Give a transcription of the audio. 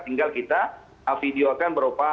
tinggal kita video kan berupa